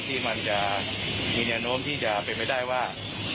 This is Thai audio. ที่มันจะมีแนวโน้มที่จะเป็นไปได้ว่า